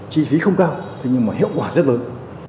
chi phí không cao thế nhưng mà hiệu quả rất lớn